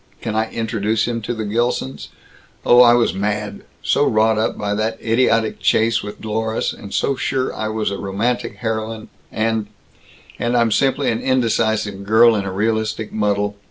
Can I introduce him to the Gilsons? Oh, I was mad; so wrought up by that idiotic chase with Dlorus, and so sure I was a romantic heroine and And I'm simply an indecisive girl in a realistic muddle!"